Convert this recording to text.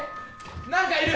何かいる！